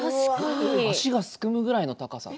足がすくむぐらいの高さで。